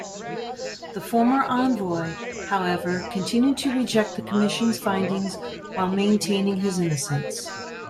The former envoy, however, continued to reject the Commission's findings while maintaining his innocence.